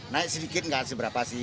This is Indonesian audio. naik sedikit nggak hasil berapa sih